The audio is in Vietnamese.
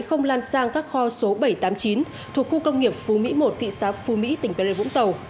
không lan sang các kho số bảy trăm tám mươi chín thuộc khu công nghiệp phú mỹ một thị xã phú mỹ tỉnh bà rê vũng tàu